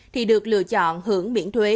thì được lựa chọn hưởng miễn thuế